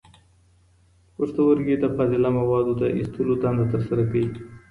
پښتورګي د فاضله موادو د ایستلو دنده ترسره کوي.